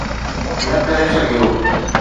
نه ڪري سگهيو.